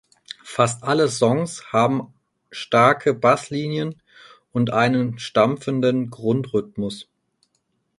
Fast alle Songs haben starke Basslinien und einen stampfenden Grundrhythmus.